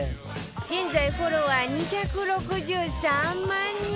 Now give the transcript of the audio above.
現在、フォロワー２６３万人。